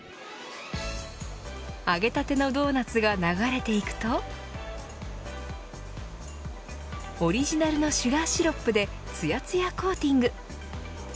揚げたてのドーナツが流れていくとオリジナルのシュガーシロップでつやつやコーティング。